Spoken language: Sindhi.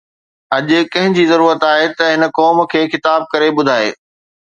اڄ ڪنهن جي ضرورت آهي ته هن قوم کي مخاطب ڪري ٻڌائي